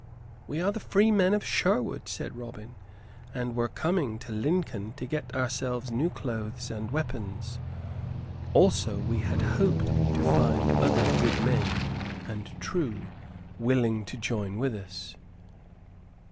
"We are the free men of Sherwood," said Robin, "and were coming to Lincoln to get ourselves new clothes and weapons. Also we had hoped to find other good men and true willing to join with us."